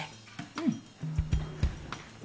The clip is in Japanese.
うん。